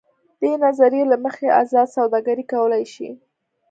دې نظریې له مخې ازاده سوداګري کولای شي.